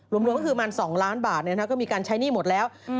รวมก็คือประมาณสองล้านบาทเนี่ยนะฮะก็มีการใช้หนี้หมดแล้ว